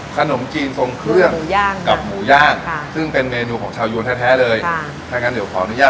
เราจะเริ่มต้นจากอะไรก่อนนี่ผักก่อนแล้วกัน